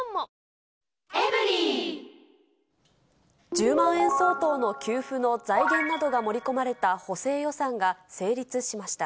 １０万円相当の給付の財源などが盛り込まれた補正予算が成立しました。